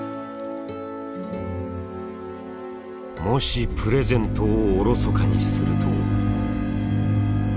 もしプレゼントをおろそかにすると。